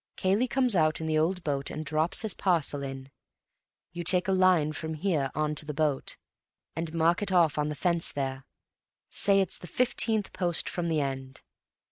Cayley comes out in the old boat and drops his parcel in. You take a line from here on to the boat, and mark it off on the fence there. Say it's the fifth post from the end.